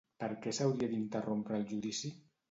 Per què s'hauria d'interrompre el judici?